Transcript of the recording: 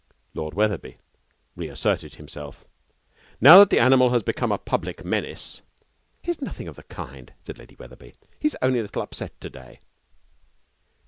Lord Wetherby reasserted himself. 'Now that the animal has become a public menace ' 'He's nothing of the kind,' said Lady Wetherby. 'He's only a little upset to day.'